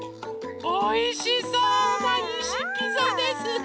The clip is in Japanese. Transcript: おいしそうないしピザですね！